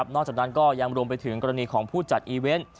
นอกจากนั้นก็ยังรวมไปถึงกรณีของผู้จัดอีเวนต์